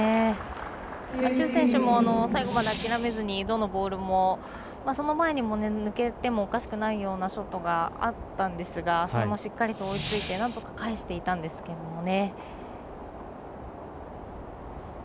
朱選手も最後まで諦めずに、どのボールもその前にも、抜けてもおかしくないショットがあったんですが、それもしっかり追いついて、なんとか返していたんですけどね。